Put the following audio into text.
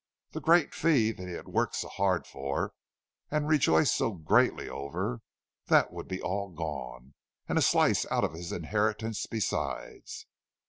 The great fee that he had worked so hard for and rejoiced so greatly over—that would be all gone, and a slice out of his inheritance besides!